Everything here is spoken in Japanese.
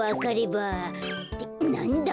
ってなんだ？